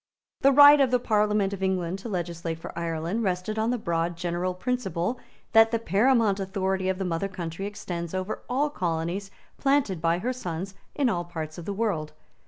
The right of the Parliament of England to legislate for Ireland rested on the broad general principle that the paramount authority of the mother country extends over all colonies planted by her sons in all parts of the world.